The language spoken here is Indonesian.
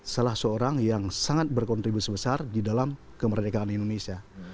salah seorang yang sangat berkontribusi besar di dalam kemerdekaan indonesia